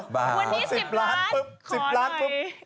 วันนี้๑๐ล้านครับขอหน่อยแค่ชื่นใจ๑๐ล้านปุ๊บ